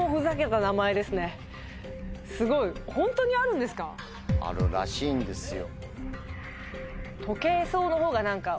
すごい。あるらしいんですよ。